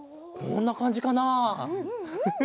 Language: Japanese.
こんなかんじかなフフッ。